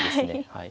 はい。